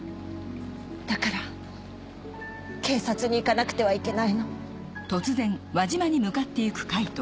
だから警察に行かなくてはいけないの。